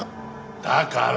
だから。